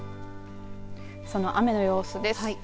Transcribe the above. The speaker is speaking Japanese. その雨の様子です。